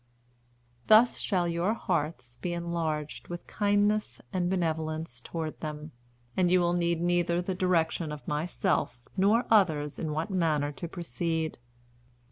Thus shall your hearts be enlarged with kindness and benevolence toward them, and you will need neither the direction of myself nor others in what manner to proceed.